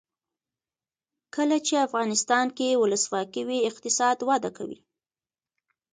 کله چې افغانستان کې ولسواکي وي اقتصاد وده کوي.